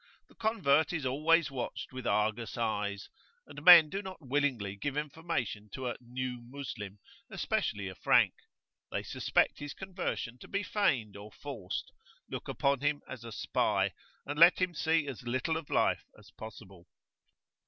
The convert is always watched with Argus eyes, and men do not willingly give information to a "new Moslem," especially a Frank: they suspect his conversion to be feigned or forced, look upon him as a spy, and let him see as little of life as possible.